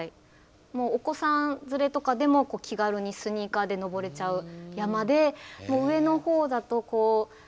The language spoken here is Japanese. もうお子さん連れとかでも気軽にスニーカーで登れちゃう山でもう上の方だと皆さん